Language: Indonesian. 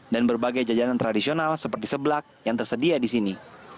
dan berbagai jajanan tradisional seperti sebelak yang tersedia di sini